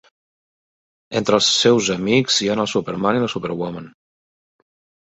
Entre els seus amics hi ha el Superman i la Superwoman.